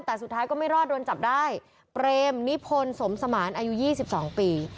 แต่สุดท้ายก็ไม่รอดโดนจับได้เปรมนิพนธ์สมสมานอายุ๒๒ปี